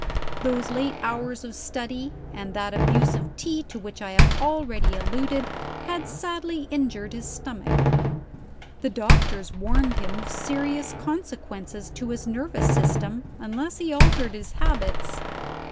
Those late hours of study, and that abuse of tea to which I have already alluded, had sadly injured his stomach. The doctors warned him of serious consequences to his nervous system, unless he altered his habits.